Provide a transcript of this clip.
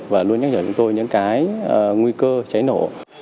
và luôn nhắc nhở chúng tôi những cái nguy cơ cháy nổ